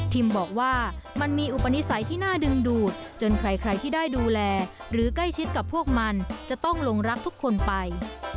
บอกว่ามันมีอุปนิสัยที่น่าดึงดูดจนใครที่ได้ดูแลหรือใกล้ชิดกับพวกมันจะต้องลงรักทุกคนไป